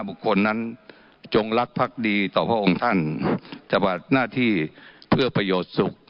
บุคคลนั้นจงรักภักดีต่อพระองค์ท่านปฏิบัติหน้าที่เพื่อประโยชน์สุข